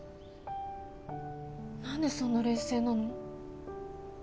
何でそんな冷静なの？